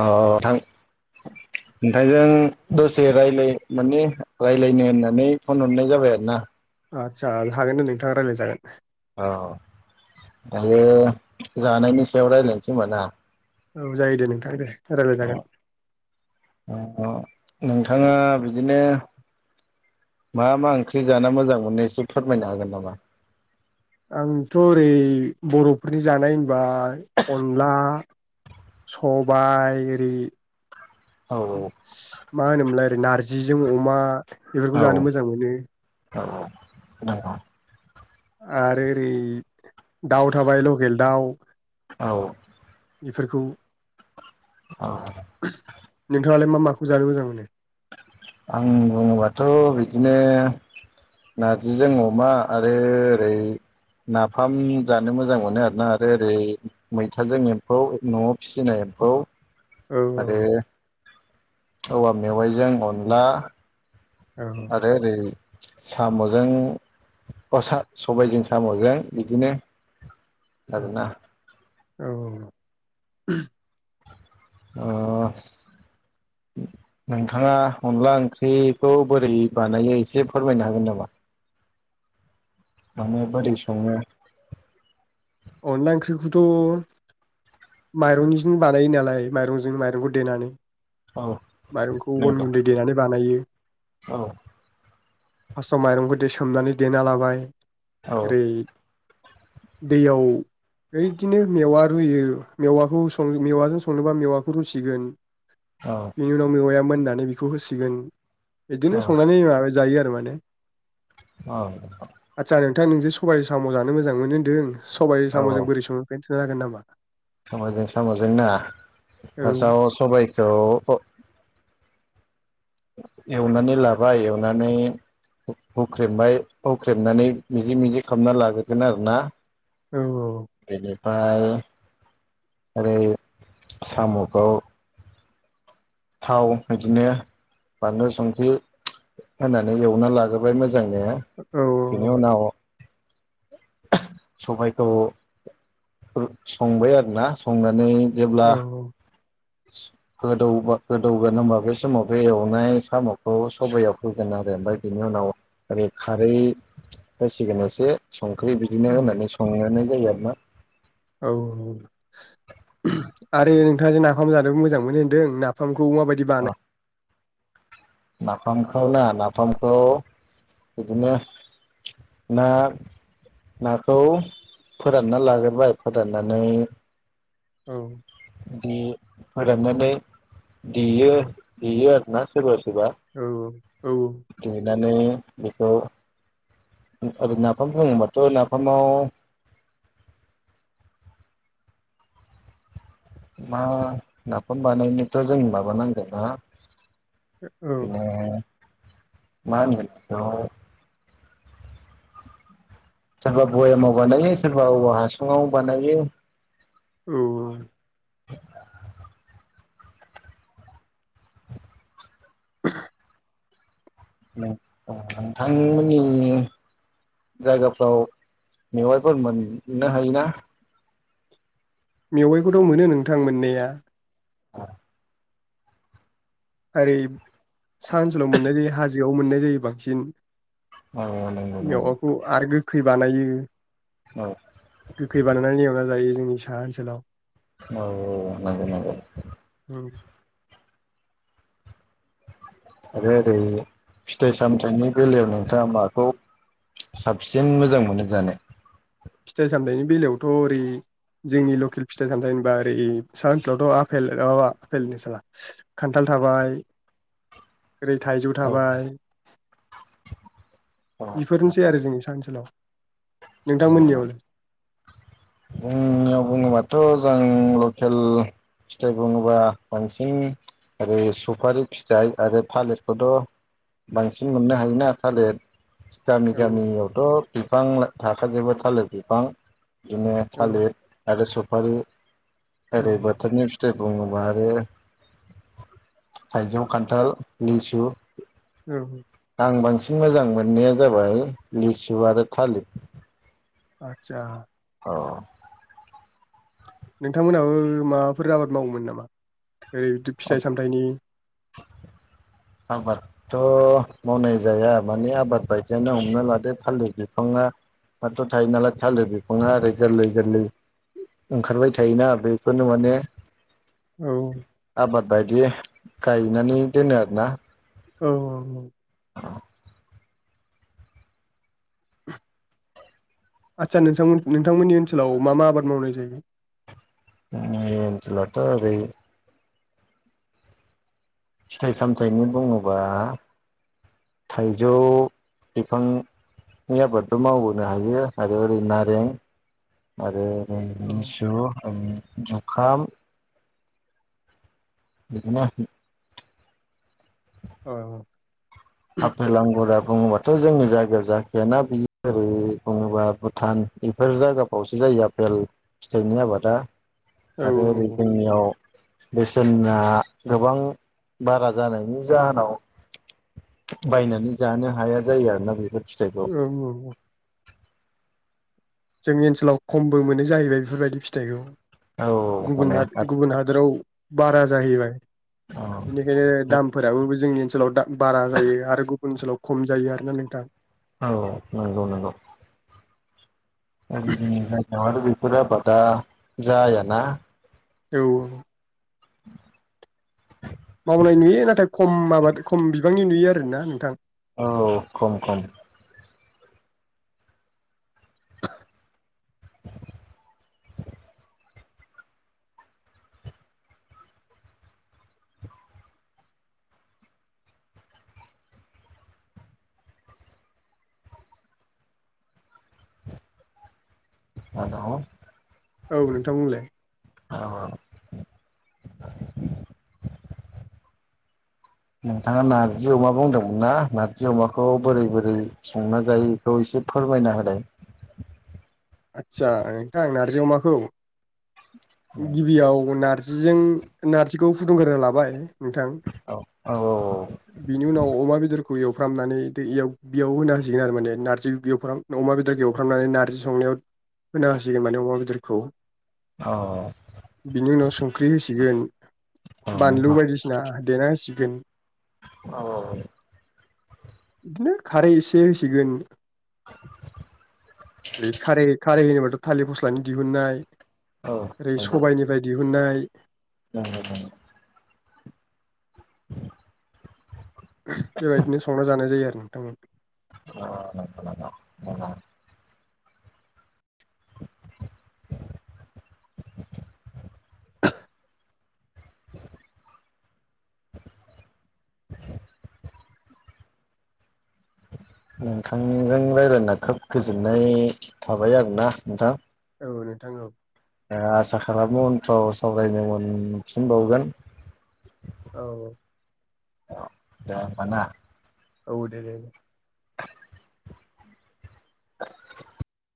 अ थां नोंथांजों दसे रायज्लाय माने रायज्लायनो होननानै फन हरनाय जाबाय आरो ना आदसा हागोन दे नोंथाङा रायलायजागोन अ दायो जानायनि सायाव रायलायनोसै होनबा ना? औ जायो दे नोंथां दे रायलाय जागोन अ नोंथाङा बिदिनो मा मा ओंख्रि जाना मोजां मोनो एसे फोरमायनो हागोन नामा आंथ' ओरै बर'फोरनि जानाय होनबाय अनला सबाय ओरै औ सि माहोनोमोनलाय नार जिजों अमा बेफोरखौ औ जानो मोजां मोनो औ औ नोंगौ आरो ओरै दाउ थाबाय लकेल दाउ औ बेफोरखौ औ नोंथाङालाय मा माखौ जानो मोजां मो नो आं बुङोबाथ' बिदिनो नारजिजों अमा आरो ओरै नाफाम जानो मोजां मोनो आरोना आरो ओरै मैथाजों एम्फौ न'आव फिसिनाय एम्फौ औ औ आरो औवा मेवाइजों अनला औ आरो ओरै साम'जों अ सा सबायाइजों साम'जों बिदिनो आरोना औ औ ओ नोंथाङा अनला ओंख्रिखौ बोरै बानायो एसे फोरमायनो हागोन नामा नोङो बोरै सङो अनला ओंख्रिखौथ' माइरंनिजों बानायो नालाय माइरंजों माइरंखौ देनानै औ माइरंखौ अन नंगौ गुन्दै देनानै बानायो औ फास्स्टआव माइरंखौ दे सोमनानै देना लाबाय औ ओरै दैयाव ओइदिनो मेवा रुयो मेवाखौ सं मेवाजों संनोबा मेवाखौ रुसिगोन बिनि उनाव मेवआयआ मोन दानि बेखौ होसिगोन औ बिदिनो संनानै मा जायो आरोमा नो औ थां नोंजे सबाय साम' जानो मोजां मोनो होन्दों सबायजों साम'जों बोरै संङो जागोन नामा साम'जों साम'जों ना औ फासआव सबायखौ एवनानै लाबाय, एवनानै हु-हुख्रेमबाय, हुख्रेमनानै मिजि -मिजि खालामना लाग्रोगोन आरोना औ औ फाय ओरै साम'खौ थाव बिदिनो बानलु, संख्रि होनानै एवना लाग्रोबाय मो जां नो औ बेनि उनाव सबाइखौ रु-संबाय आरोना संनानै जेब्ला औ गोदौबा गोदौगोन होमबा बे समाव बे एवनाय साम'खौ सबयाव होगोन आरो ओमफाय बेनि उनाव ओरै खारै होसिगोन एसे संख्रि बिदिनो होननानै संनानै होयो आरो ना औ आरो नोंथांङा जे नाफाम जानो मोजां मोनो होनदों नाफाम खौ माबायदि बानाय नाफामखौ ना? नाफामखौ बिदिनो ना-नाखौ फोरानना लागोरबाय फोराननानै औ दे फोराननानै देयो-देयो आरो ना सोरबा सोरबा औ औ नानै बेखौ ओरै नाफाम बुंङोबाथ' नाफामाव मा नाफाम बानायनोथ' जों माबानांगोन ना दिनो मा होनगोन बेखौ सोरबा बयामाव बानायो सोरबा औवा हासुंङाव बानायो। औ औ नों ओं नोंथांमोननि जायगाफ्राव मेवाइफोर मोन नो हायोना? मेवाइखौथ' मोनो नोंथां मोननाया। औ आरै सानसेल' मोननाय जायो हाजो जो आव मोननाय जायो बांसिन औ नंगौ नंगौ मेवाखौ आरो गोग खै बानायो औ गोखै बानायनानै एवना जायो। जोंनि साहा ओनसोलाव औ औ नंगौ नंगौ। [inaudible] आरो ओरै फिथाइ-सामथाइनि बेलायाव नोंथांङा माखौ साबसिन मोजां मोनो जानो? फिथाइ-सामथाइनि बेलायावथ' ओरै जोंनि लकेल फिथाइ-सामथाइ होनबा ओरै साहा ओनसोलावथ' आफेल माबा आफेलनो साला खान्थाल थाबाय ओरै थाइजौ औ थाबाय औ इफोरनोसै आरो जोंनि सा ओनसोलाव नोंथांमोननियावलाय बुंनायाव बुंङो माथो। [unintelligible] लकेल फिथाइ बुङोबा बांसिन ओरै सुफारि फिथाइ आरो थालिरखौथ' बांसिन मोननो हायोना? थालिर गामि औ गामियावथ' बिफां ला थाखाजोबबो थालिर बिफां‌। बिदिनो औ थालिर आरो स फारि औ ओरै बोथोरनि फिथाइ बुङोबा आरो थाइजौ, खान्थाल, लिसु औ आं बांसिन मोजां मोननाया जाबाय लिसु आरो थालिर। आतसा औ नोंथांमोनहाबो माबाफोर आबाद मावोमोन नामा? ओरै बिदि फिथाइ सामथाइनि? आबादथ' मावनाय जाया माने आबाद बायदियानो हमना लादो थालिर बिफाङाथ' थायो नालाय थालिर बिफाङा ओरै गोरलै गोरलै ओंखारबाय थायोना? बेखौनो माने औ आबाद बायदि गायनानै दोनो आरो ना? औ औ औ आतसा नोंथांमोन नोंथांमोननि ओनसोलाव मा मा आबाद मावनाय जायो? ओनसोलावथ' ओरै फिथाइ सामथायाइनि बुङोबा, थाइजौ बिफांनि आबादबो मावबोनो हायो आरो ओरै नारें आरो ओरै औ लिसु ओरै जुखाम। बिदिनो आरोखि। औ आफेल आंगुरा बुङोबाथ' जोंनि जायगायाव जाखायाना बियो ओरै बुङोबा भुटान बेफोर जायगाफ्रावसो जायो आफेल फिथाइनि आबादा। औ आरो ओरै जोंनियाव बेसेना गोबां बारा जानायनि जाहोनाव बायनानै जानो हाया जायो आरोना बेफोर फिथाइखौ औ औ औ जोंनि ओनसोलाव खमबो मोनो जाहैबाय बेफोरबायदि फिथाइखौ। औ गुबुन माने गुबुन हादोराव बारा जाहैबाय, औ बेनिखायनो दामफोराबो जोंनि ओनसोलाव दा बारा जायो आरो गुबुन ओनसोलाव खम जायो आरोना नोंथां। औ नंगौ नंगौ ओरै जोंनि जायगायाव बेफोर आबादा जायाना? औ औ [inaudible] मावनाय नुयो नाथाय खम माबा खम बिबांनि नुयो आरोना नोंथां? औ खम खम हेल' औ नोंथां बुंलाय औ नोंथाङा नारजि अमा बुंदोंमोन ना नारजि अमाखौ बोरै बोरै संना जायो इखौ एसे फोरमायना होनाय? आदसा नोंथां नारजि अमाखौ गिबियाव नार जिजों नारजिखौ फुदुंग्रोना लाबाय नोंथां औ औ बिनि उनाव अमा बेदर खौ एवफ्रामनानै इयाव बेयाव होना होसिगोन आरो माने नारजि एवफ्राम अमा बेदर एवफ्रामनानै नारजि संनायाव होना होासिगोन माने अमा बेदरखौ औ बिनि उनाव संख्रि होसिगोन औ बानलु बायदिसिना देना होसि [unintelligible] औ औ औ बिदिनो खारै एसे होसिगोन बे खारै जेनेबाथ' थालिर फस्लानि दिहुननाय औ ओरै सबायाइनि बायदि उननाय औ अ अ बेबायदिनो संना जानाय जायो आरो नोंथांमोन ओ खोनादों अ नोंथांजों रायज्लायना खोब गोजोननाय थाबाय आरोना नोंथां औ नोंथां औ आसा खालामो उनफ्राव सावरायनो मोनफिनबावगोन औ औ दे होनबा ना औ देे दे